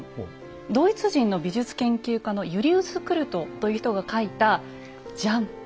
ドイツ人の美術研究家のユリウス・クルトという人が書いたジャン！